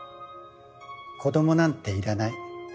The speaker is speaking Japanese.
「子供なんていらない。